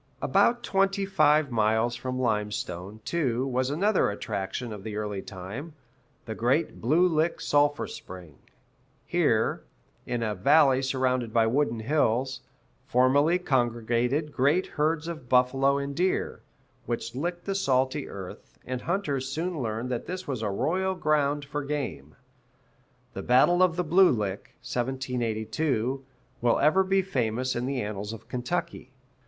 About twenty five miles from Limestone, too, was another attraction of the early time, the great Blue Lick sulphur spring; here, in a valley surrounded by wooded hills, formerly congregated great herds of buffalo and deer, which licked the salty earth, and hunters soon learned that this was a royal ground for game. The Battle of the Blue Lick (1782) will ever be famous in the annals of Kentucky.